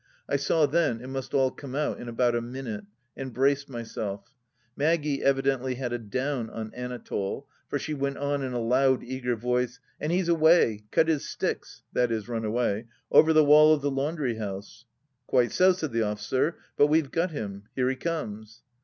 I saw then it must all come out in about a minute, and braced myself. Maggie evidently had a " down " on Anatole, for she went on, in a loud, eager voice :" And he's awa' — cut his sticks {i.e. run away) ower the wall of the laundry huse "" Quite so 1" said the officer. " But we've got him. Here he comes